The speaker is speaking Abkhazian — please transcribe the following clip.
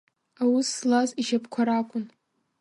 Аус злаз ишьапқәа ракәын.